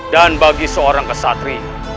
dan bagi seorang kesatria